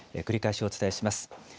繰り返しお伝えします。